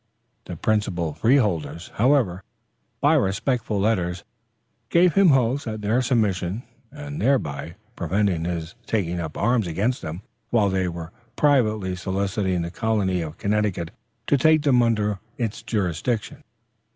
The principal freeholders, however, by respectful letters, gave him hopes of their submission, and thereby prevented his taking up arms against them, while they were privately soliciting the colony of Connecticut to take them under its jurisdiction.